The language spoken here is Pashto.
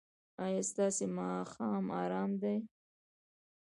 ایا ستاسو ماښام ارام دی؟